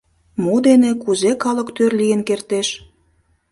Мо дене, кузе калык тӧр лийын кертеш?